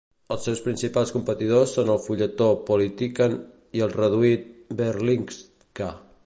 Els seus principals competidors són el fulletó "Politiken" i el reduït "Berlingske".